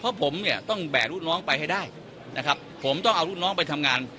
เพราะผมเนี่ยต้องแบกลูกน้องไปให้ได้นะครับผมต้องเอาลูกน้องไปทำงาน